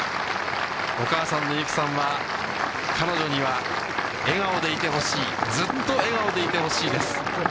お母さんの有貴さんは、彼女には笑顔でいてほしい、ずっと笑顔でいてほしいです。